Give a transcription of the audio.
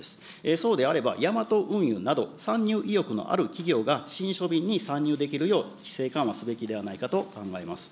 そうであればヤマト運輸など、参入意欲のある企業が信書便に参入できるよう、規制緩和すべきではないかと考えます。